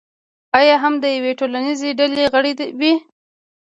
یا هم د یوې ټولنیزې ډلې غړی وي.